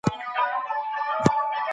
حیثیت د شتمنۍ په واسطه نه ټاکل کیږي.